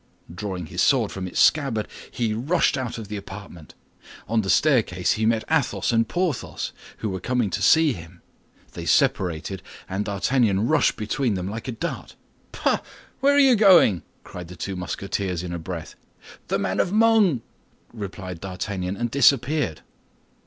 Drawing his sword from its scabbard, he rushed out of the apartment. On the staircase he met Athos and Porthos, who were coming to see him. They separated, and D'Artagnan rushed between them like a dart. "Pah! Where are you going?" cried the two Musketeers in a breath. "The man of Meung!" replied D'Artagnan, and disappeared.